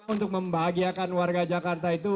untuk membahagiakan warga jakarta itu